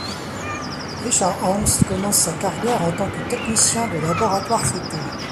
Richard Angst commence sa carrière en tant que technicien de laboratoire photo.